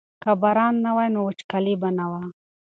که باران نه وای نو وچکالي به وه.